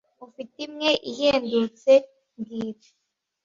Ufite imwe ihendutse mbwira